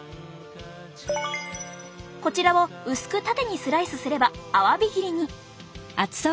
こちらを薄く縦にスライスすればアワビ切りに。